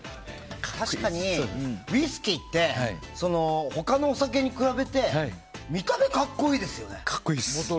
確かにウイスキーって他のお酒に比べて見た目、格好いいですよね。